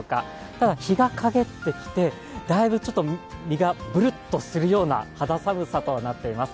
ただ日が陰ってきて、だいぶ身がぶるっとするような肌寒さとなっています。